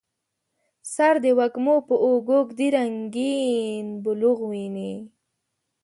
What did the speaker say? سر د وږمو په اوږو ږدي رنګیین بلوغ ویني